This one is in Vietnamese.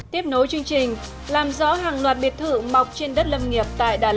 tiếp nối chương trình làm rõ hàng loạt biệt thử mọc trên đất lâm nghiệp